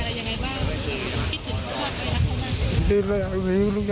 ก็แสดงความเสียใจด้วยจริงกับครอบครัวนะคะ